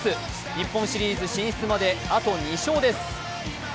日本シリーズ進出まであと２勝です。